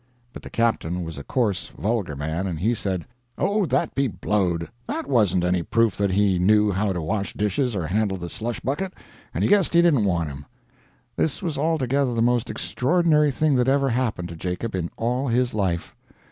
But the captain was a coarse, vulgar man, and he said, "Oh, that be blowed! that wasn't any proof that he knew how to wash dishes or handle a slush bucket, and he guessed he didn't want him." This was altogether the most extraordinary thing that ever happened to Jacob in all his life.